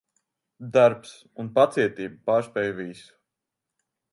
Darbs un pacietība pārspēj visu.